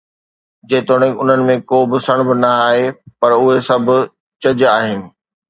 جيتوڻيڪ انهن ۾ ڪو به سڻڀ نه آهي، پر اهي سڀ چج آهن.